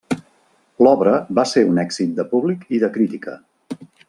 L'obra va ser un èxit de públic i de crítica.